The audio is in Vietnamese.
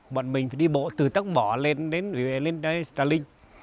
bọn mình phải đi bộ từ tắc bò lên đến trà linh